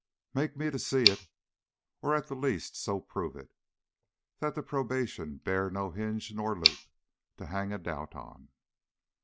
Make me to see it; or at the least so prove it, That the probation bear no hinge nor loop To hang a doubt on.